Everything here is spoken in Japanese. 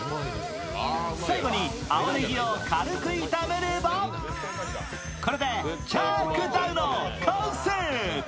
最後に、青ねぎを軽く炒めればこれでチャー・クダウの完成。